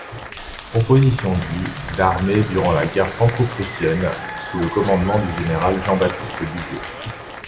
Composition du d'armée durant la guerre franco-prussienne, sous le commandement du général Jean-Baptiste Billot.